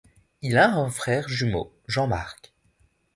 Il a un frère jumeau, Jean-Marc.